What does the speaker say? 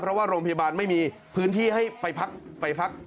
เพราะว่าโรงพยาบาลไม่มีพื้นที่ให้ไปพัก